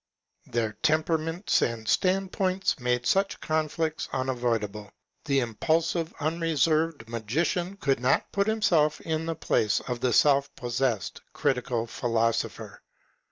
Their temperaments and stand points made such conflicts unavoidable. The impulsive, unreserved Magician could not put himself in the place of the self possessed Critical Philosopher.